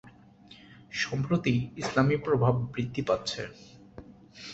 সম্প্রতি ইসলামি প্রভাব বৃদ্ধি পাচ্ছে।